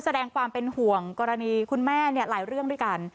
แสดงความเป็นห่วงกรณีคุณแม่หลายเรื่องด้วยกัน